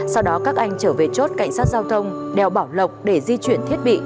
sau đó các anh trở về chốt cảnh sát giao thông đèo bảo lộc để di chuyển thiết bị